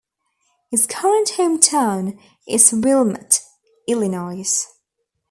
His current hometown is Wilmette, Illinois.